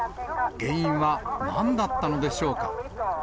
原因はなんだったのでしょうか。